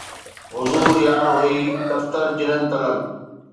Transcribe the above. حضور يار هوئي دفتر جنن طلب